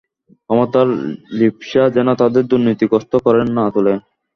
ক্ষমতার লিপ্সা যেন তাদের দুর্নীতিগ্রস্ত করে না তোলে।